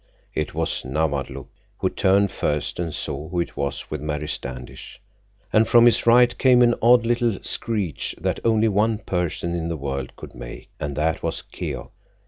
It was Nawadlook who turned first and saw who it was with Mary Standish, and from his right came an odd little screech that only one person in the world could make, and that was Keok.